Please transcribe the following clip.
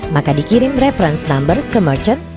maka dikirim reference number ke merchant